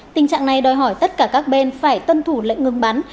tình trạng này đòi hỏi tất cả các bên phải tuân thủ lệnh ngừng bắn